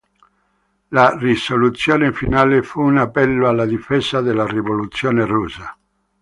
La risoluzione finale fu un appello alla difesa della rivoluzione russa.